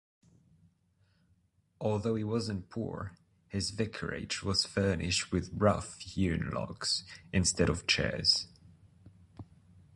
Although he wasn't poor, his vicarage was furnished with rough-hewn logs, instead of chairs.